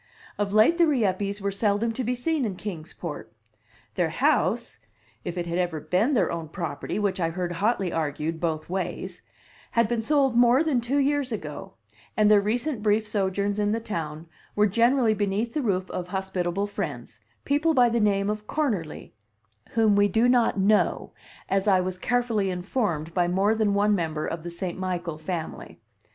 Of late the Rieppes were seldom to be seen in Kings Port. Their house (if it had ever been their own property, which I heard hotly argued both ways) had been sold more than two years ago, and their recent brief sojourns in the town were generally beneath the roof of hospitable friends people by the name of Cornerly, "whom we do not know," as I was carefully informed by more than one member of the St. Michael family.